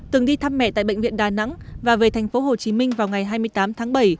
từng đi thăm mẹ tại bệnh viện đà nẵng và về tp hcm vào ngày hai mươi tám tháng bảy